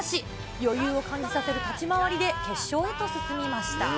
余裕を感じさせる立ち回りで決勝へと進みました。